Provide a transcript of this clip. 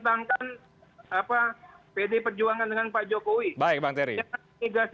kalau partai politik kenapa kerjanya terukur